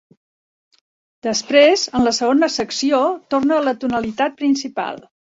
Després, en la segona secció, torna a la tonalitat principal.